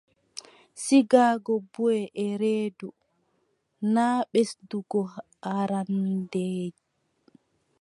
Sigaago buʼe e reedu, naa ɓesdugo haarannde.